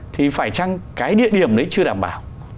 thì phải chăng cái địa điểm đấy chưa đảm bảo